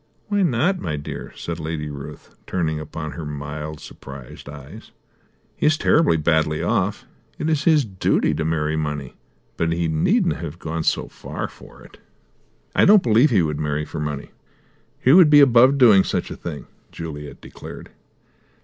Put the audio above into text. "Why not, my dear?" said Lady Ruth, turning upon her mild, surprised eyes. "He is terribly badly off; it is his duty to marry money; but he needn't have gone so far for it." "I don't believe he would marry for money. He would be above doing such a thing!" Juliet declared.